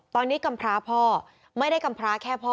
ตอนนี้กำพร้าพ่อไม่ได้กำพร้าแค่พ่อ